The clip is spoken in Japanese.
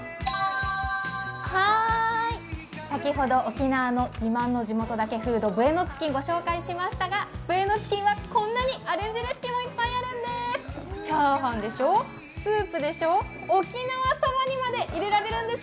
先ほど沖縄の自慢の地元だけフード、ブエノチキンをご紹介しましたがブエノチキンはこんなにアレンジレシピもいっぱいあるんです。